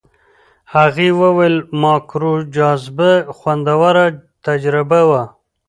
هغې وویل ماکرو جاذبه خوندور تجربه وه.